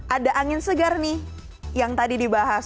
ada angin segar nih yang tadi dibahas